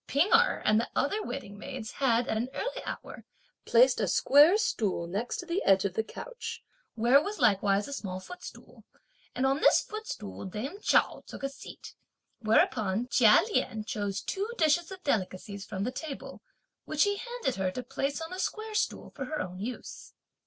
P'ing Erh and the other waiting maids had at an early hour placed a square stool next to the edge of the couch, where was likewise a small footstool, and on this footstool dame Chao took a seat, whereupon Chia Lien chose two dishes of delicacies from the table, which he handed her to place on the square stool for her own use.